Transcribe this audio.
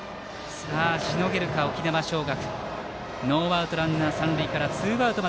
しのげるか、沖縄尚学。